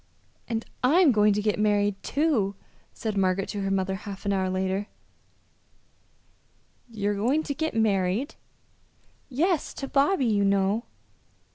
"And I'm going to get married, too," said Margaret to her mother half an hour later. "You're going to get married!" "Yes; to Bobby, you know."